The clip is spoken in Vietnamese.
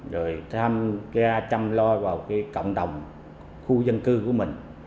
rồi tham gia chăm lo vào cộng đồng khu dân cư của mình